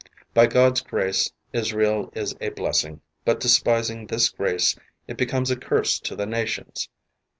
By God's grace Israel is a blessing, but despising this grace it becomes a curse to the na tions.